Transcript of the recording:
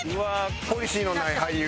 ポリシーのない俳優。